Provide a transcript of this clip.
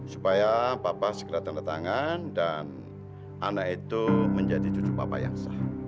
supaya papa segera tanda tangan dan anak itu menjadi cucu bapak yang sah